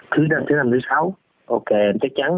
thứ năm thứ sáu ok chắc chắn